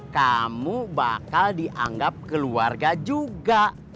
kamu bakal dianggap keluarga juga